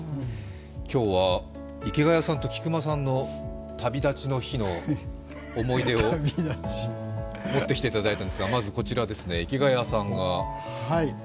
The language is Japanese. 今日は池谷さんと菊間さんの旅立ちの日の思い出を持ってきていただいたんですが、まずこちらですね。